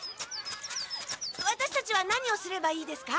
ワタシたちは何をすればいいですか？